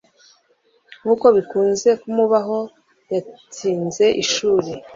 nkuko bikunze kumubaho, yatinze ishuri